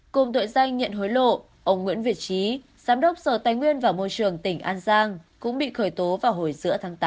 cùng tội danh nhận hối lộ ông nguyễn việt trí giám đốc sở tài nguyên và môi trường tỉnh an giang cũng bị khởi tố vào hồi giữa tháng tám